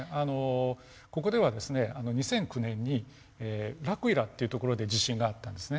ここではですね２００９年にラクイラっていう所で地震があったんですね。